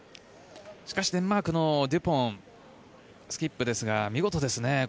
しかしデンマークのデュポンスキップですが見事ですね